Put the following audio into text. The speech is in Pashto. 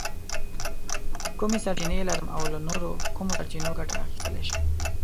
کومې سرچینې لرم او له نورو کومو سرچینو ګټه اخیستلی شم؟